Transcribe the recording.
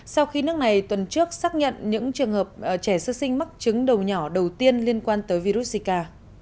sau khi nước này tuần trước xác nhận những trường hợp trẻ sơ sinh mắc chứng đầu nhỏ đầu tiên liên quan tới virus zika